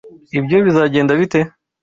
Ibyo bizagenda bite?